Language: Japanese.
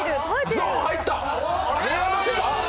ゾーンに入った。